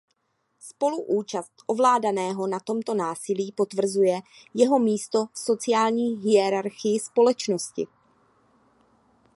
Spoluúčast ovládaného na tomto násilí potvrzuje jeho místo v sociální hierarchii společnosti.